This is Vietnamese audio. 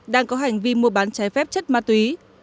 đang có hành vi mua bán trái phép chất ma túy